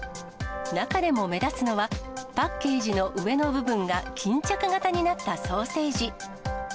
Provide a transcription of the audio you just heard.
中でも目立つのは、パッケージの上の部分が巾着型になったソーセージ。